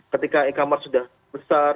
ketika e commerce sudah besar